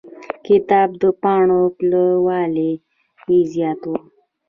کتاب د پاڼو پلنوالی يې زيات و.